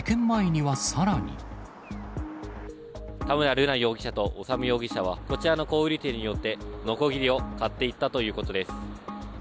田村瑠奈容疑者と修容疑者は、こちらの小売り店によってのこぎりを買っていったということです。